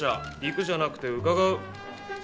行くじゃなくて「伺う」。